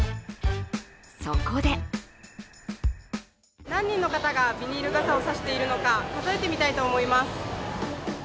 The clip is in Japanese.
そこで何人の方がビニール傘を差しているのか数えてみたいと思います。